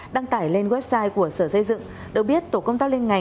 đăng tải lên website của sở xây dựng